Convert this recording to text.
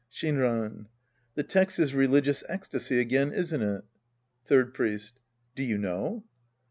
Shinran. The text is religious ecstasy again, isn't it? Third Priest. Do you know